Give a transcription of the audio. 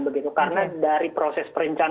karena dari proses perencanaan